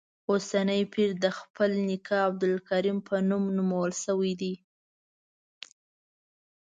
اوسنی پیر د خپل نیکه عبدالکریم په نوم نومول شوی دی.